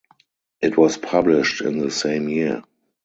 It was published in the same year.